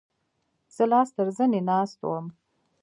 زه لاس تر زنې ناست وم.